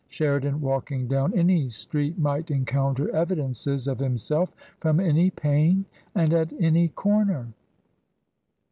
Sheridan walking down any street might encounter evidences of himself from any pane and at any corner.